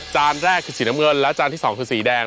แรกคือสีน้ำเงินและจานที่สองคือสีแดง